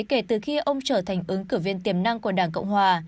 kể từ khi ông trở thành ứng cử viên tiềm năng của đảng cộng hòa